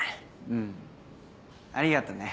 うんありがとね。